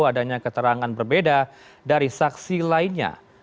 adanya keterangan berbeda dari saksi lainnya